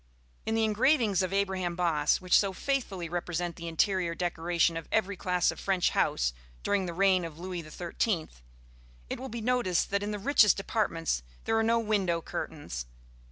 In the engravings of Abraham Bosse, which so faithfully represent the interior decoration of every class of French house during the reign of Louis XIII, it will be noticed that in the richest apartments there are no window curtains.